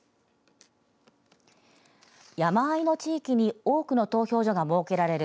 山あいの地域に多くの投票所が設けられる